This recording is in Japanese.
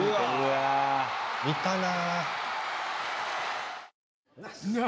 見たな。